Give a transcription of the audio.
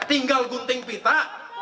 setahun gunting pita kira kira masuk akal tidak